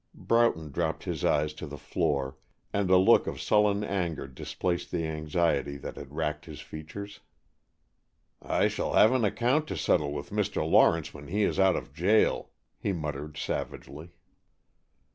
Broughton dropped his eyes to the floor and a look of sullen anger displaced the anxiety that had racked his features. "I shall have an account to settle with Mr. Lawrence when he is out of jail," he muttered, savagely.